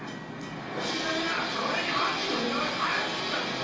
大体な川合に犯人の似顔絵は早過ぎたんだよ！